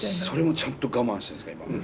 それもちゃんと我慢してんですね今？